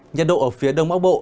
nhật độ ở phía đông bắc bộ